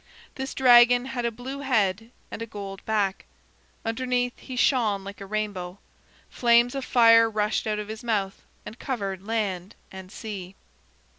This dragon had a blue head and a gold back. Underneath he shone like a rainbow. Flames of fire rushed out of his mouth and covered land and sea.